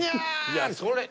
いやそれ。